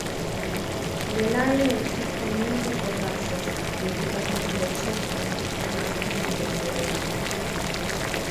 En el aire existen múltiples gases, principalmente oxígeno, nitrógeno y vapor de agua.